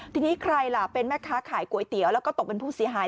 ทีนี้ใครล่ะเป็นแม่ค้าขายก๋วยเตี๋ยวแล้วก็ตกเป็นผู้เสียหาย